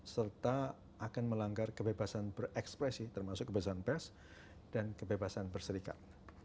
serta akan melanggar kebebasan berekspresi termasuk kebebasan pers dan kebebasan berserikat